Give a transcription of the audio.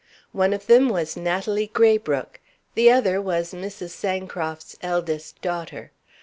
One of them was Natalie Graybrooke. The other was Mrs. Sancroft's eldest daughter.